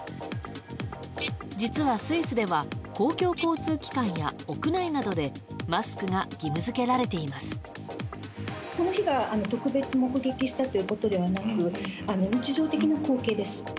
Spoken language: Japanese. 実はスイスでは公共交通機関や屋内などでマスクが義務付けられています。